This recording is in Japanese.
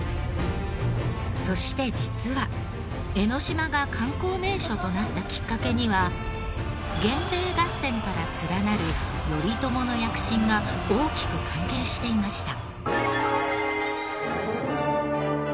そして実は江の島が観光名所となったきっかけには源平合戦から連なる頼朝の躍進が大きく関係していました。